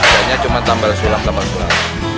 sebenarnya cuma tambah sulamnya